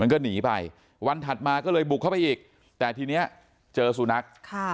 ก็หนีไปวันถัดมาก็เลยบุกเข้าไปอีกแต่ทีนี้เจอสุนัขค่ะ